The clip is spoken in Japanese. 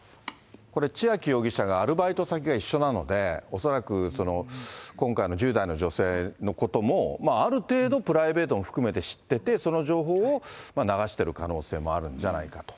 これ千秋容疑者が、アルバイト先が一緒なので、恐らく、今回の１０代の女性のことも、まあ、ある程度、プライベートも含めて知ってて、その情報を流してる可能性もあるんじゃないかと。